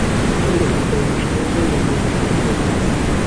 هەندێک نەخۆش نیشانەی زۆر نەرمیان هەیە، وەکو هەڵامەت.